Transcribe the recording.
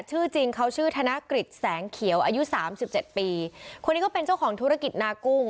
ชื่อจริงเขาชื่อธนกฤษแสงเขียวอายุสามสิบเจ็ดปีคนนี้ก็เป็นเจ้าของธุรกิจนากุ้ง